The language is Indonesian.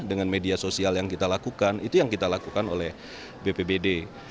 dengan media sosial yang kita lakukan itu yang kita lakukan oleh bpbd